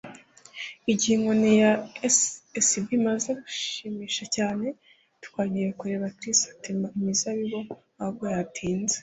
Igihe inkoni ya SB imaze gushimisha cyane, twagiye kureba Chris atema imizabibu [ahubwo yatinze].